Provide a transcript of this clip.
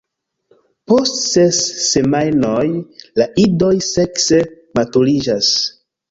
Post ses semajnoj la idoj sekse maturiĝas.